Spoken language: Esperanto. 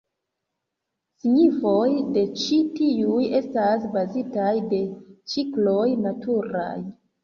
Signifoj de ĉi tiuj estas bazitaj de cikloj naturaj.